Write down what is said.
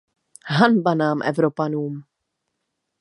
Hanba nám Evropanům!